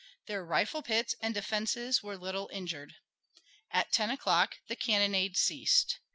Their rifle pits and defenses were little injured. At ten o'clock the cannonade ceased.